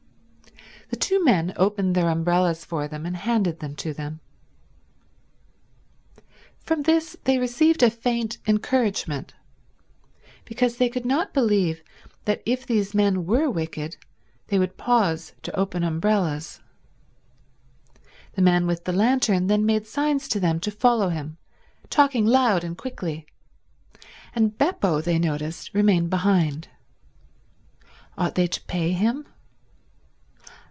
The two men opened their umbrellas for them and handed them to them. From this they received a faint encouragement, because they could not believe that if these men were wicked they would pause to open umbrellas. The man with the lantern then made signs to them to follow him, talking loud and quickly, and Beppo, they noticed, remained behind. Ought they to pay him?